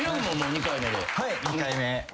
２回目。